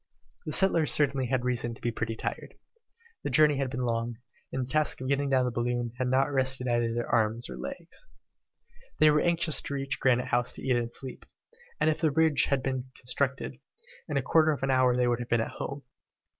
The settlers certainly had reason to be pretty tired. The journey had been long, and the task of getting down the balloon had not rested either their arms or legs. They were anxious to reach Granite House to eat and sleep, and if the bridge had been constructed, in a quarter of an hour they would have been at home.